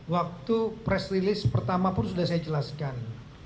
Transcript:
waktu press release pertama pun sudah saya jelaskan